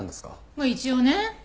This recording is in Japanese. まあ一応ね。